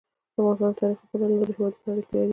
افغانستان د تاریخ له پلوه له نورو هېوادونو سره اړیکې لري.